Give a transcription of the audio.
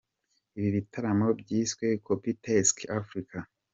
Ibi bitaramo byiswe ‘Cuppy Takes Africa’.